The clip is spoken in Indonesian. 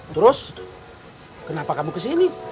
terus kenapa kamu kesini